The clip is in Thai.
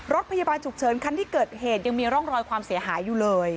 รถพยาบาลฉุกเฉินคันที่เกิดเหตุยังมีร่องรอยความเสียหายอยู่เลย